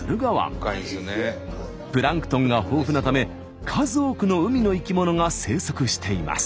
プランクトンが豊富なため数多くの海の生き物が生息しています。